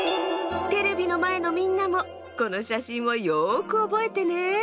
テレビのまえのみんなもこのしゃしんをよくおぼえてね。